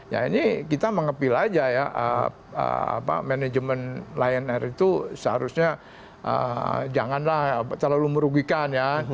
ya ini kita mengepil aja ya manajemen lion air itu seharusnya janganlah terlalu merugikan ya